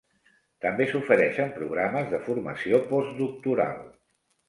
També s'ofereixen programes de formació postdoctoral.